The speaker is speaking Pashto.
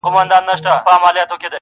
o و باطل ته یې ترک کړئ عدالت دی,